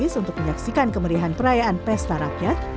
untuk menyaksikan kemerihan perayaan pesta rakyat